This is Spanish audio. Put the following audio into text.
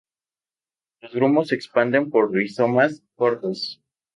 Los grumos se expanden por rizomas cortos.